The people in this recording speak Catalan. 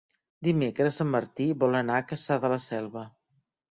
Dimecres en Martí vol anar a Cassà de la Selva.